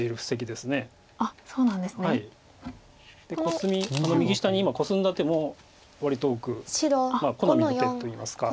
でコスミ右下に今コスんだ手も割と多く好みの手といいますか。